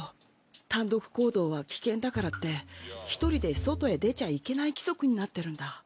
単独行動は危険だからって１人で外へ出ちゃいけない規則になってるんだ。